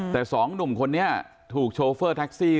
แต่สองหนุ่มคนนี้ถูกโชเฟอร์แท็กซี่